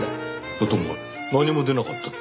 だってお前何も出なかったって。